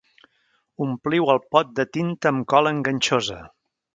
Ompliu el pot de tinta amb cola enganxosa.